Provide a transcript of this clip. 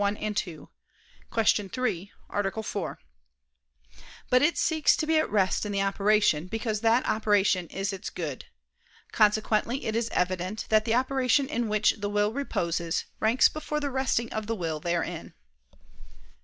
1, ad 2;Q. 3, A. 4): but it seeks to be at rest in the operation, because that operation is its good. Consequently it is evident that the operation in which the will reposes ranks before the resting of the will therein.